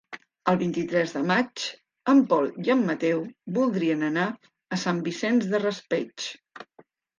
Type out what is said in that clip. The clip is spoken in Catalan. El vint-i-tres de maig en Pol i en Mateu voldrien anar a Sant Vicent del Raspeig.